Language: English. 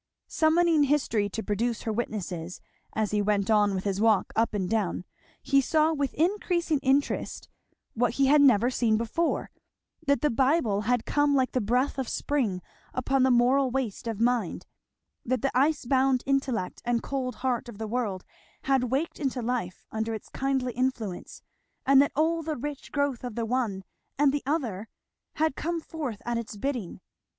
Summoning history to produce her witnesses, as he went on with his walk up and down, he saw with increasing interest, what he had never seen before, that the Bible had come like the breath of spring upon the moral waste of mind; that the ice bound intellect and cold heart of the world had waked into life under its kindly influence and that all the rich growth of the one and the other had come forth at its bidding.